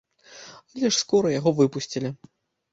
Але ж скора яго выпусцілі.